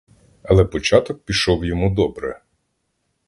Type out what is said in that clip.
Але початок пішов йому добре.